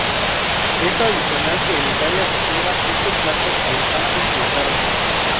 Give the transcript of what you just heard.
Es tradicional que en Italia se sirva este plato a infantes y enfermos.